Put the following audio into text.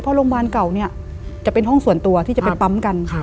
เพราะโรงพยาบาลเก่าเนี่ยจะเป็นห้องส่วนตัวที่จะไปปั๊มกัน